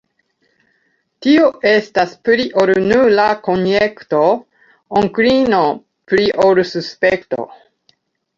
Tio estas pli ol nura konjekto, onklino; pli ol suspekto.